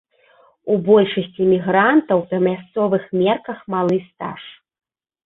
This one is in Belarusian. У большасці мігрантаў па мясцовых мерках малы стаж.